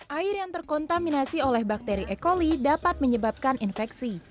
air yang terkontaminasi oleh bakteri e coli dapat menyebabkan infeksi